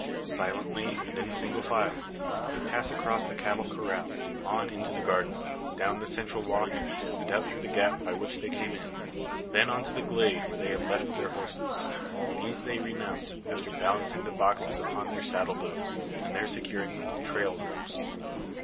Silently, and in single file, they pass across the cattle corral, on into the garden, down the central walk, and out through the gap by which they came in. Then on to the glade where they have left their horses. These they remount, after balancing the boxes upon their saddle bows, and there securing them with trail ropes.